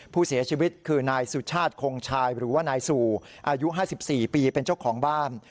ผู้เสียชีวิตคือนายสุชาติคงชายหรือว่านายสู่อายุ๕๔ปีเป็นเจ้าของบ้าน